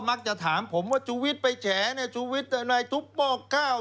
มันจะถามผมว่าจุวิทธิ์ไปแฉจุวิทธิ์ทุบปอกข้าว